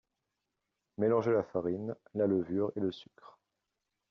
Mélanger la farine, la levure et le sucre